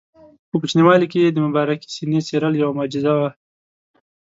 په کوچنیوالي کې یې د مبارکې سینې څیرل یوه معجزه وه.